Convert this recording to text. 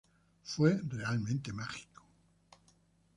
Fue realmente mágico".